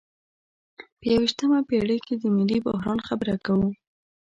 په یویشتمه پیړۍ کې د ملي بحران خبره کوو.